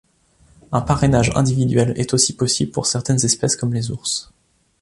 Un parrainage individuel est aussi possible pour certaines espèces, comme les ours.